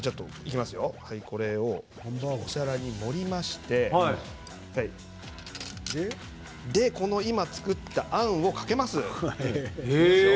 お皿に盛りまして今作った、あんをかけます。